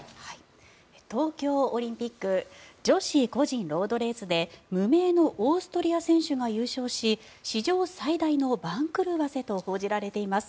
東京オリンピック女子個人ロードレースで無名のオーストリア選手が優勝し史上最大の番狂わせと報じられています。